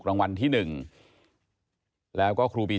เพราะว่ามันจะเป็นที่เรา